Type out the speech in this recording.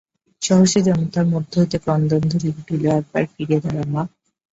সহসা জনতার মধ্য হইতে ক্রন্দনধ্বনি উঠিল, একবার ফিরে দাঁড়া মা!